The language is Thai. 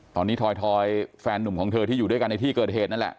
ตอนนี้ทอยแฟนนุ่มของเธอที่อยู่ด้วยกันในที่เกิดเหตุนั่นแหละ